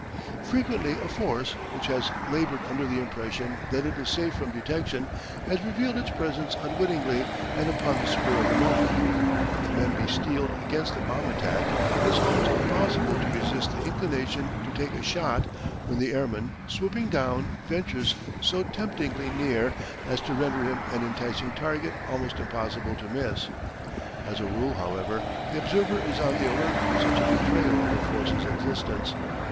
Frequently a force, which has laboured under the impression that it is safe from detection, has revealed its presence unwittingly and upon the spur of the moment. If the men be steeled against the bomb attack, it is almost impossible to resist the inclination to take a shot when the airman, swooping down, ventures so temptingly near as to render him an enticing target almost impossible to miss. As a rule, however, the observer is on the alert for such a betrayal of a force's existence.